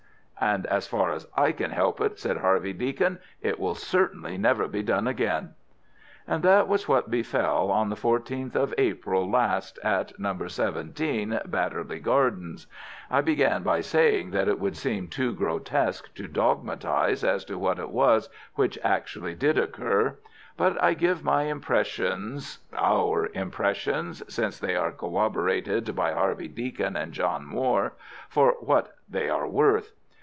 "And as far as I can help it," said Harvey Deacon, "it will certainly never be done again." And that was what befell on the 14th of April last at No. 17, Badderly Gardens. I began by saying that it would seem too grotesque to dogmatize as to what it was which actually did occur; but I give my impressions, our impressions (since they are corroborated by Harvey Deacon and John Moir), for what they are worth.